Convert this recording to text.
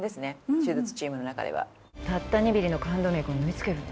手術チームの中ではたった２ミリの冠動脈を縫い付けるの？